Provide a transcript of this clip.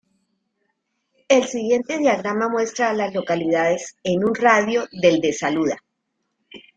El siguiente diagrama muestra a las localidades en un radio de de Saluda.